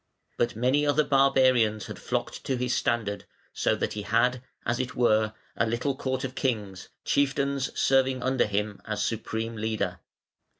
But many other barbarians had flocked to his standard, so that he had, as it were, a little court of kings, chieftains serving under him as supreme leader.